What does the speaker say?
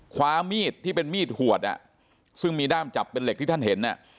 ความมีดที่เป็นมีดหวดอ่ะซึ่งมีด้ามจับเป็นเหล็กที่ท่านเห็น